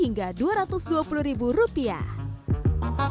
yang ini juga tak kalah lucu dan mengemaskan ya